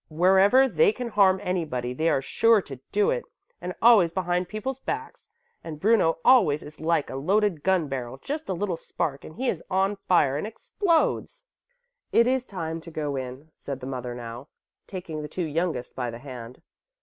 Wherever they can harm anybody they are sure to do it, and always behind people's backs. And Bruno always is like a loaded gun barrel, just a little spark and he is on fire and explodes." "It is time to go in," said the mother now, taking the two youngest by the hand.